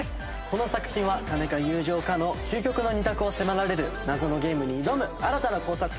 この作品は金か友情かの究極の２択を迫られる謎のゲームに挑む新たな考察系ドラマです。